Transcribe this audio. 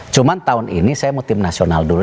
cuma tahun ini saya mau tim nasional dulu